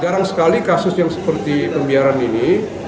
jarang sekali kasus yang seperti pembiaran ini